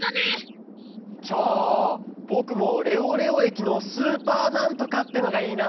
じゃあぼくも「レオレオえきのスーパーなんとか」ってのがいいな。